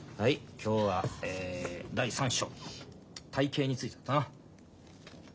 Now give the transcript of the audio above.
今日はえっ第３章体型についてだったな。